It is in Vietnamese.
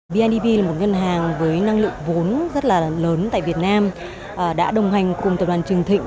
bidv là một ngân hàng với năng lượng vốn rất là lớn tại việt nam đã đồng hành cùng tập đoàn trường thịnh